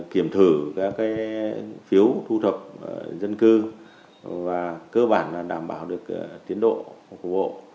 kiểm thử các cái phiếu thu thập dân cư và cơ bản là đảm bảo được tiến độ của bộ